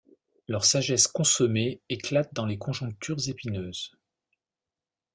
Leur sagesse consommée éclate dans les conjonctures épineuses.